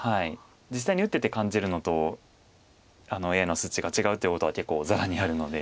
実際に打ってて感じるのとＡＩの数値が違うってことは結構ざらにあるので。